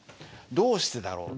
どうしてだろう？